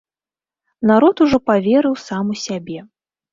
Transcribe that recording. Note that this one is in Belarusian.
Народ ужо паверыў сам у сябе.